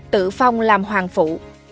tự phong làm hoàng phụ